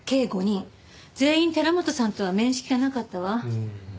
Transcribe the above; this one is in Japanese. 全員寺本さんとは面識がなかったわ。